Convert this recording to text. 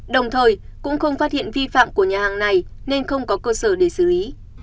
đồng thời cũng không phát hiện vi phạm của nhà hàng này nên không có cơ sở để xử lý